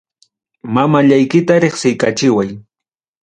Mamallaykita reqsiykachiway.